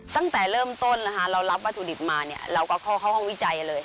ตั้งแต่เริ่มต้นเรารับประสุนิทมาเราก็เข้าห้องวิจัยเลย